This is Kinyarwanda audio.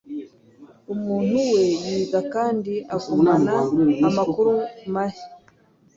Umuntu wee yiga kandi agumana amakuru mahya